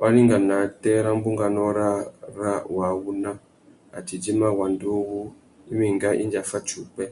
Waringa nātê râ bunganô râā râ wa wuna a tà idjima wanda uwú i mà enga indi a fatiya upwê.